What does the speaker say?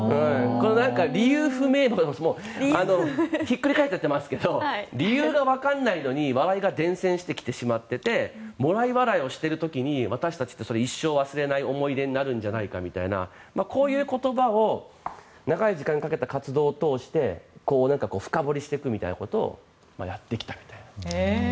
理由不明というのもひっくり返っちゃってますが理由がわからないのに笑いが伝染してきていてもらい笑いをしている時に私たちって一生忘れない思い出になるんじゃないかみたいなこういう言葉を長い時間かけた活動を通して深掘りしていくみたいなことをやってきたみたいな。